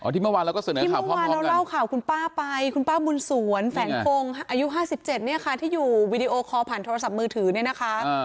ที่เมื่อวานเราก็เสนอข่าวพ่อเมื่อวานเราเล่าข่าวคุณป้าไปคุณป้าบุญสวนแฝงคงอายุ๕๗เนี่ยค่ะที่อยู่วีดีโอคอลผ่านโทรศัพท์มือถือเนี่ยนะคะ